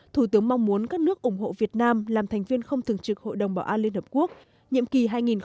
thủ tướng mong muốn các nước ủng hộ việt nam làm thành viên không thường trực hội đồng bảo an liên hợp quốc nhiệm kỳ hai nghìn hai mươi hai nghìn hai mươi một